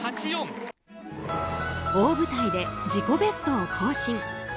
大舞台で自己ベストを更新。